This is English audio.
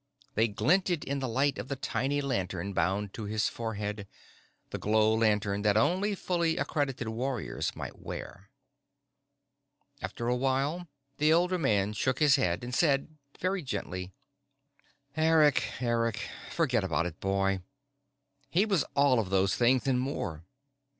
They glinted in the light of the tiny lantern bound to his forehead, the glow lantern that only fully accredited warriors might wear. After a while, the older man shook his head and said, very gently: "Eric, Eric, forget about it, boy. He was all of those things and more.